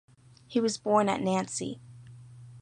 He was born at Nancy.